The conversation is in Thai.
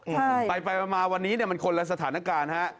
อืมไปไปมาวันนี้เนี่ยมันคนละสถานการณ์ฮะ